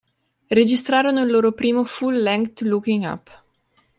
Registrarono il loro primo Full-Lentgh Looking Up.